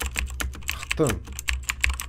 Xten.